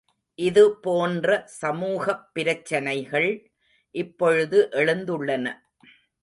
இதுபோன்ற சமூகப் பிரச்சனைகள் இப்பொழுது எழுந்துள்ளன.